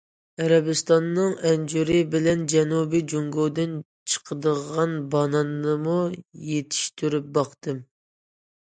ئەرەبىستاننىڭ ئەنجۈرى بىلەن جەنۇبىي جۇڭگودىن چىقىدىغان باناننىمۇ يېتىشتۈرۈپ باقتىم.